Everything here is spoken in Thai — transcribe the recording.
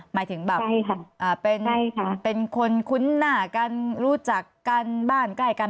หมายถึงแบบเป็นคนคุ้นหน้ากันรู้จักกันบ้านใกล้กัน